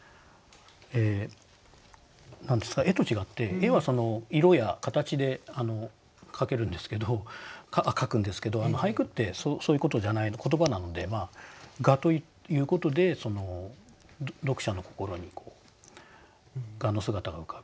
何ですか絵と違って絵は色や形で描くんですけど俳句ってそういうことじゃない言葉なので蛾ということで読者の心に蛾の姿が浮かぶ。